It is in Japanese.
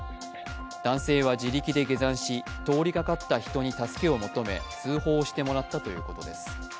男性は自力で下山し、通りかかった人に助けを求め、通報してもらったということです。